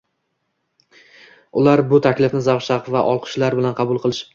Ular bu taklifni zavq-shavq va olqish¬lar bilan qabul qilishibdi